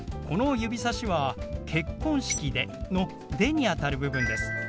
この指さしは「結婚式で」の「で」にあたる部分です。